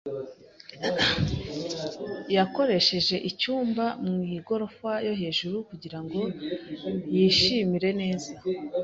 Yakodesheje icyumba mu igorofa yo hejuru kugira ngo yishimire neza.